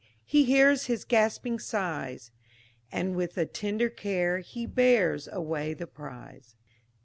he hears his gasping sighs, And, with a tender care, he bears away the prize."